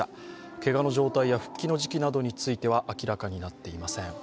けがの状態や復帰の時期などについては明らかになっていません。